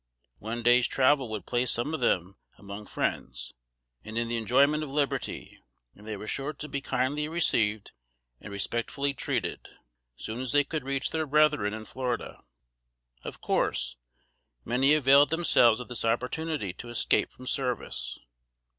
One day's travel would place some of them among friends, and in the enjoyment of liberty; and they were sure to be kindly received and respectfully treated, soon as they could reach their brethren in Florida. Of course many availed themselves of this opportunity to escape from service.